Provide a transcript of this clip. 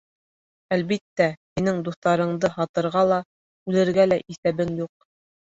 Әлбиттә, һинең дуҫтарыңды һатырға ла, үлергә лә иҫәбең юҡ.